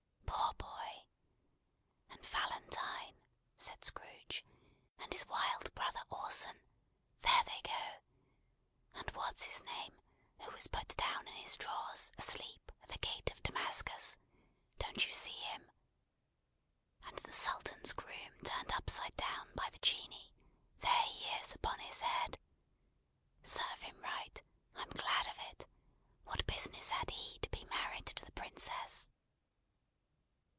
Poor boy! And Valentine," said Scrooge, "and his wild brother, Orson; there they go! And what's his name, who was put down in his drawers, asleep, at the Gate of Damascus; don't you see him! And the Sultan's Groom turned upside down by the Genii; there he is upon his head! Serve him right. I'm glad of it. What business had he to be married to the Princess!"